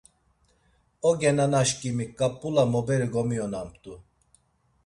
Oge nanaşǩimik ǩap̌ula moberi gomiyonamt̆u.